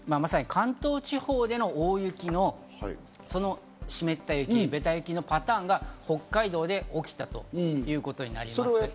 関東地方での大雪の湿った雪、べた雪のパターンが北海道で起きたということになります。